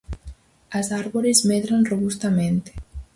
As árbores medran robustamente.